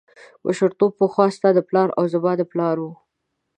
مشرتوب پخوا ستا د پلار او زما د پلار و.